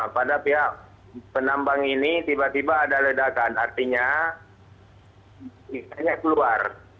pada pihak penambang ini tiba tiba ada ledakan artinya misalnya keluar